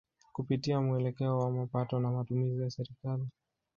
Kupitia muelekeo wa mapato na matumizi ya Serikali